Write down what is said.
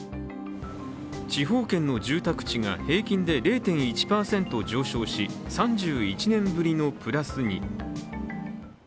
地方圏の住宅地が平均で０．１％上昇し３１年ぶりのプラスに。